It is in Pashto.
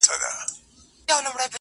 o د پردي کلي د غلۀ کانه ور وسوه ,